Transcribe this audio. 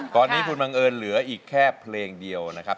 ตอนนี้คุณบังเอิญเหลืออีกแค่เพลงเดียวนะครับ